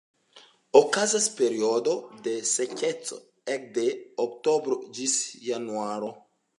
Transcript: Okazas periodo de sekeco ekde oktobro ĝis januaro.